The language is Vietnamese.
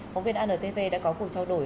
phóng viên antv đã có cuộc trao đổi